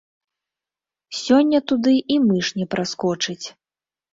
Сёння туды і мыш не праскочыць.